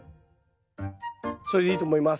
それでいいと思います。